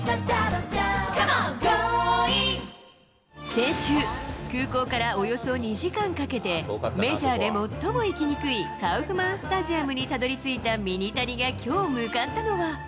先週、空港からおよそ２時間かけて、メジャーで最も行きにくい、カウフマンスタジアムにたどりついたミニタニがきょう向かったのは。